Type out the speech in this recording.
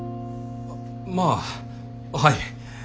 まあはい。